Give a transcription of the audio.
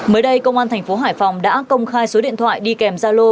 mới đây công an thành phố hải phòng đã công khai số điện thoại đi kèm gia lô